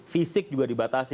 fisik juga dibatasi